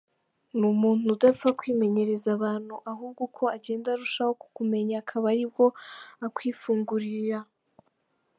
Ni umuntu udapfa kwimenyereza abantu ahubwo uko agenda arushaho kukumenya akaba aribwo akwifungurira.